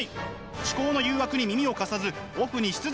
思考の誘惑に耳を貸さずオフにし続けるのです。